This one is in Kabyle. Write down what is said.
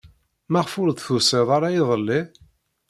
Maɣef ur d-tusid ara iḍelli?